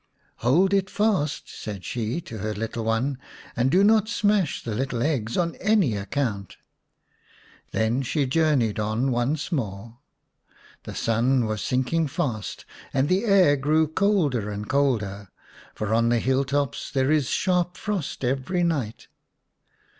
" Hold it fast/' said she to her little one, " and do not smash the little eggs on any account." Then she journeyed on once more. The sun was sinking fast, and the air grew colder and colder, for on the hill tops there is sharp frost every night.